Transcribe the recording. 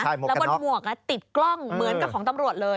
แล้วบนหมวกติดกล้องเหมือนกับของตำรวจเลย